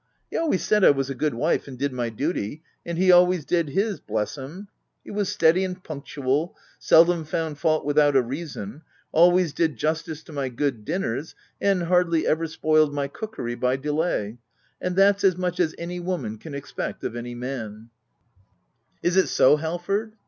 He always said 1 was a good wife, and did my duty ; and he always did his — bless him !— he was steady and punctual, seldom found fault without a reason, always did justice to my good dinners, and hardly ever spoiled my cookery by delay — and that's as much as any woman can expect of any man/' Is it so Halford